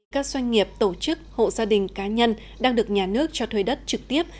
các doanh nghiệp tổ chức hộ gia đình cá nhân đang được nhà nước cho thuê đất trực tiếp